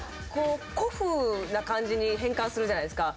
古風な感じに変換するじゃないですか。